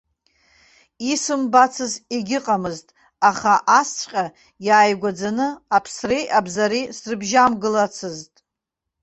Исымбацыз егьыҟамызт, аха асҵәҟьа иааигәаӡаны, аԥсреи абзареи срыбжьамгылацызт.